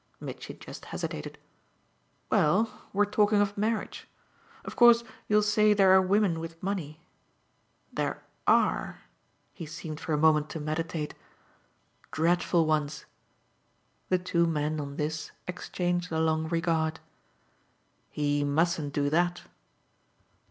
Mitchy just hesitated. "Well, we're talking of marriage. Of course you'll say there are women with money. There ARE" he seemed for a moment to meditate "dreadful ones!" The two men, on this, exchanged a long regard. "He mustn't do that."